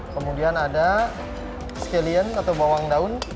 kemudian ada skillian atau bawang daun